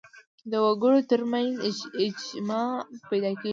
د وګړو تر منځ اجماع پیدا کېږي